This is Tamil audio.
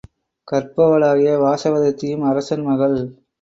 கற்பவளாகிய வாசவதத்தையும் அரசன் மகள்.